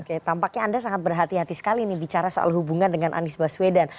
oke tampaknya anda sangat berhati hati sekali nih bicara soal hubungan dengan anies baswedan